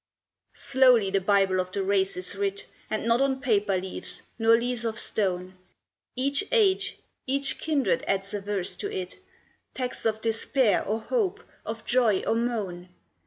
Slowly the Bible of the race is writ, And not on paper leaves nor leaves of stone; Each age, each kindred adds a verse to it, Texts of despair or hope, of joy or moan.